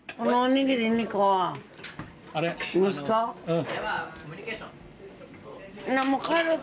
うん。